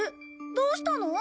どうしたの？